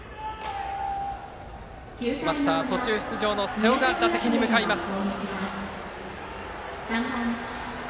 バッター、途中出場の瀬尾が打席に向かいます。